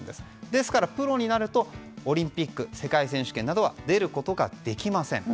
ですからプロになるとオリンピック、世界選手権などは出ることができません。